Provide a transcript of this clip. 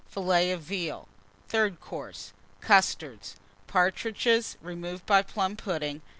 Filet of Veal. Third Course. Custards. Partridges, Apple Tart. removed by Plum pudding.